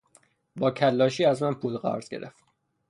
با کلاشی از من پول قرض گرفت.